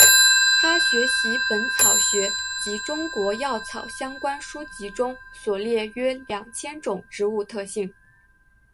他学习本草学及中国药草相关书籍中所列约两千种植物特性。